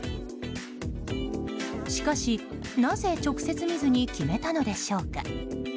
しかし、なぜ直接見ずに決めたのでしょうか。